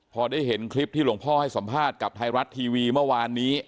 พอได้เห็นคลิปที่หลวงพ่อให้สัมภาษณ์กับไทยรัฐทีวีเมื่อวานนี้